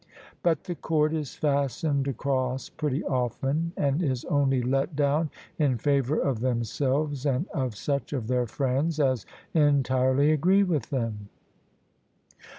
But the cord is fastened across pretty often, and is only let down in favour of themselves and of such of their friends as entirely agree with them."